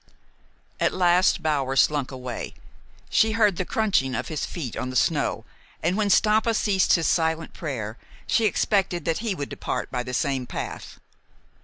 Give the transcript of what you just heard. At last Bower slunk away. She heard the crunching of his feet on the snow, and, when Stampa ceased his silent prayer, she expected that he would depart by the same path.